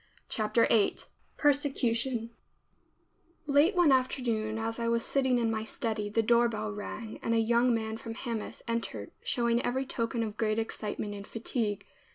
CHAPTER VIII PERSECUTION Late one afternoon as I was sitting in my study, the doorbell rang and a young man from Hamath entered, showing every token of great excitement and fatigue.